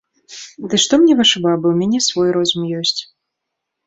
Ды што мне вашы бабы, у мяне свой розум ёсць.